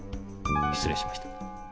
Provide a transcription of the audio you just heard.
失礼しました。